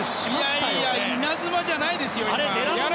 いやいやイナズマじゃないですよ。